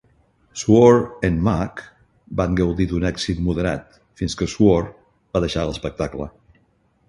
Swor and Mack van gaudir d'un èxit moderat fins que Swor va deixar l'espectacle.